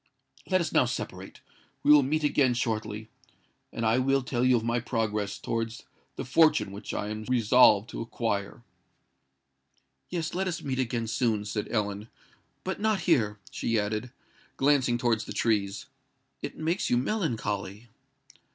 Let us now separate; we will meet again shortly—and I will tell you of my progress towards the fortune which I am resolved to acquire." "Yes—let us meet again soon," said Ellen; "but not here," she added, glancing towards the trees. "It makes you melancholy."